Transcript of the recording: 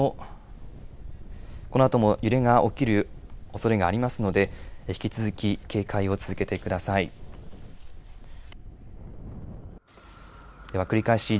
このあとも揺れが起きるおそれがありますので、引き続き警戒を続けてください。